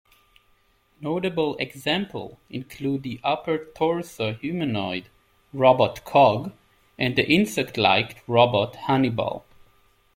Notable examples include the upper torso humanoid robot Cog and the insect-like robot Hannibal.